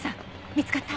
見つかった？